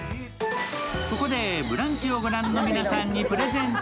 ここで「ブランチ」をご覧の皆さんにプレゼント。